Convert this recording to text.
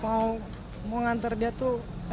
mau ngantar dia tuh